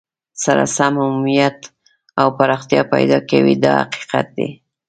سره سم عمومیت او پراختیا پیدا کوي دا حقیقت دی.